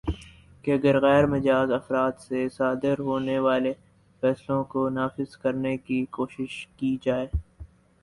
کہ اگرغیر مجاز افراد سے صادر ہونے والے فیصلوں کو نافذ کرنے کی کوشش کی جائے